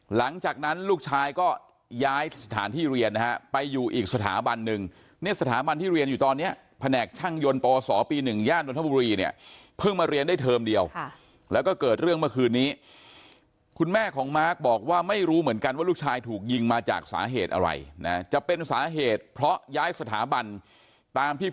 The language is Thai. หลังจากนั้นลูกชายก็ย้ายสถานที่เรียนนะฮะไปอยู่อีกสถาบันหนึ่งเนี่ยสถาบันที่เรียนอยู่ตอนนี้แผนกช่างยนต์ปวสปี๑ย่านนทบุรีเนี่ยเพิ่งมาเรียนได้เทอมเดียวแล้วก็เกิดเรื่องเมื่อคืนนี้คุณแม่ของมาร์คบอกว่าไม่รู้เหมือนกันว่าลูกชายถูกยิงมาจากสาเหตุอะไรนะจะเป็นสาเหตุเพราะย้ายสถาบันตามที่